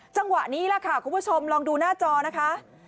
จังหวะนี้แหละค่ะคุณผู้ชมลองดูหน้าจอนะคะ